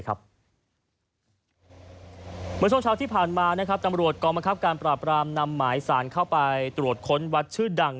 เมื่อช่วงเช้าที่ผ่านมาตำรวจกองบังคับการปราบรามนำหมายสารเข้าไปตรวจค้นวัดชื่อดัง